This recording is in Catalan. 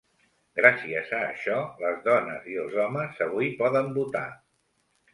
Gràcies a això, les dones i els homes avui poden votar.